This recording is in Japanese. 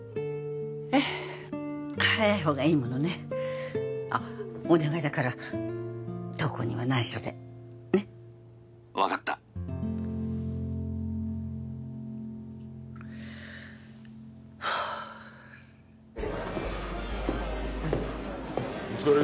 ええ早いほうがいいものねあっお願いだから瞳子には内緒でねっ☎分かったお疲れ